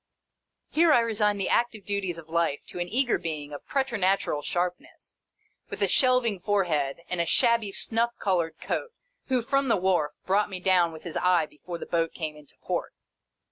Here, I resign the active duties of life to an eager being, of preternatural sharpness, with a shelving forehead and a shabby snuff colored coat, who (from the wharf) brought me down with his eye before the boat came into port.